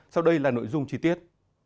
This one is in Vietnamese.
sau đây là nội dung chi tiết